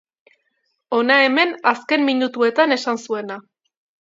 Hona hemen azken minutuetan esan zuena.